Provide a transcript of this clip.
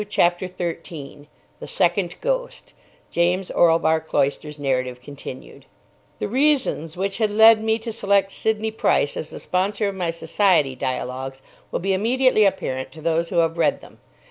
CHAPTER 13 THE SECOND GHOST (James Orlebar Cloyster's narrative continued) The reasons which had led me to select Sidney Price as the sponsor of my Society dialogues will be immediately apparent to those who have read them.